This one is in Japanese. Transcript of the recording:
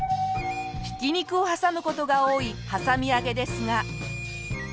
ひき肉を挟む事が多いはさみ揚げですが。